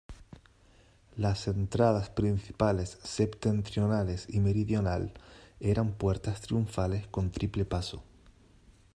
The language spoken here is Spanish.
Las entradas principales septentrional y meridional eran puertas triunfales con triple paso.